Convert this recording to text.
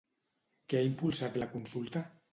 Què ha impulsat la consulta?